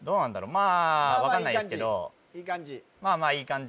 まあ分かんないですけどいい感じ？